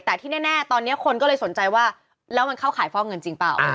แต่ที่แน่ตอนนี้คนก็เลยสนใจว่าแล้วมันเข้าขายฟอกเงินจริงเปล่า